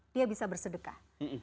dia bisa bersedekah